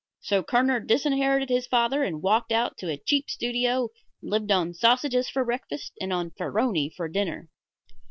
So Kerner disinherited his father and walked out to a cheap studio and lived on sausages for breakfast and on Farroni for dinner.